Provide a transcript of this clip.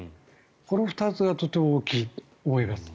この２つがとても大きいと思います。